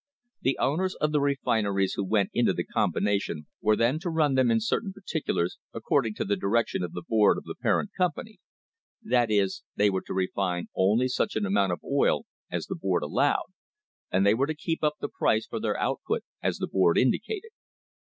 The owners of the refineries who went into the combination were then to run them in certain particulars according to the direction of the board of the parent company; that is, they were to refine only such an amount of oil as the board allowed, and they were to keep up the price, for their output as the board indicated.